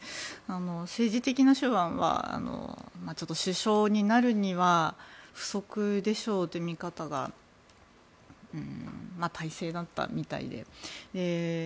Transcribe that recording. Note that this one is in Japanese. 政治的な手腕はちょっと首相になるには不足でしょうという見方が大勢だったみたいで。